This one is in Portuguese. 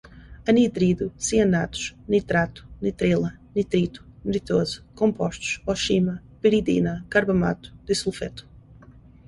anidrido, cianatos, nitrato, nitrila, nitrito, nitroso compostos, oxima, piridina, carbamato, disulfeto